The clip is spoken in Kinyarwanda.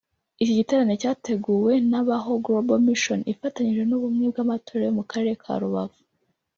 Iki giterane cyateguwe na Baho Global Mission ifatanije n’ubumwe bw’amatorero yo mu Karere ka Rubavu